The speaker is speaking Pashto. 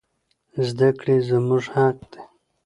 زدکړي زموږ حق دي